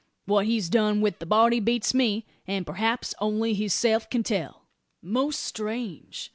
What he's done wi' the body beats me; and perhaps only hisself can tell." "Most strange!"